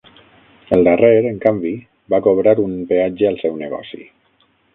El darrer en canvi va cobrar un peatge al seu negoci.